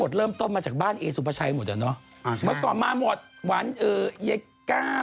กลับมาเอาไม้ตีเป็นกองแบบดึง